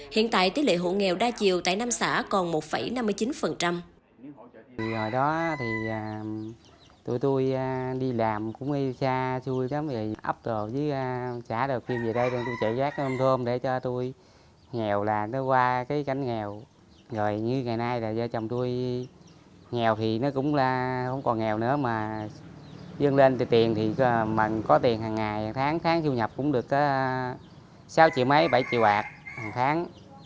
hiện tại tỷ lệ hộ nghèo đa chiều tại nam xã còn một năm mươi chín